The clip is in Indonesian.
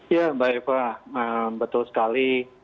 ya mbak eva betul sekali